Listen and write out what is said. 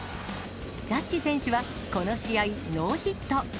ジャッジ選手はこの試合、ノーヒット。